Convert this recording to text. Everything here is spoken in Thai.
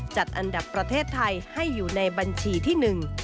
จัดอันดับประเทศไทยให้อยู่ในบัญชีที่หนึ่ง